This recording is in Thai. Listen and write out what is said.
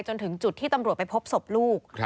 จนถึงจุดที่ตำรวจไปพบศพลูก